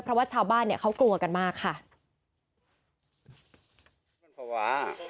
เพราะว่าชาวบ้านเนี่ยเขากลัวกันมากค่ะ